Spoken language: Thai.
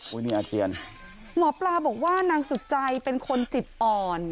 นี่อาเจียนหมอปลาบอกว่านางสุดใจเป็นคนจิตอ่อน